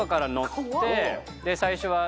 最初は。